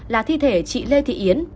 là thi thể chị lê thị yến